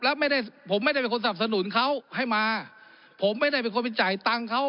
แล้วไม่ได้ผมไม่ได้เป็นคนสนับสนุนเขาให้มาผมไม่ได้เป็นคนไปจ่ายตังค์เขา